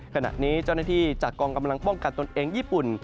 ขณะนี้เจ้าหน้าที่จากกองกำลังป้องกันตนเองญี่ปุ่น